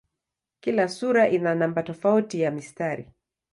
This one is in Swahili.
Kila sura ina namba tofauti ya mistari.